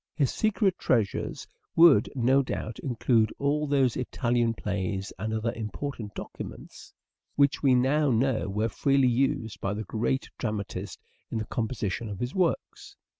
His secret treasures would, no doubt, include also those Italian plays and other important documents which we now know were freely used by the great dramatist in the composition of his works.